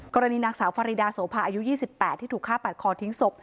กรณีนางสาวฟารีดาโสภาอายุ๒๘ที่ถูกฆ่าปาดคอทิ้งศพ